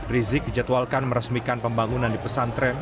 rizik dijadwalkan meresmikan pembangunan di pesantren